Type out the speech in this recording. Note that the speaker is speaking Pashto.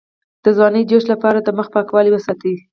د ځوانۍ د جوش لپاره د مخ پاکوالی وساتئ